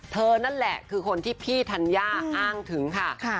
นั่นแหละคือคนที่พี่ธัญญาอ้างถึงค่ะ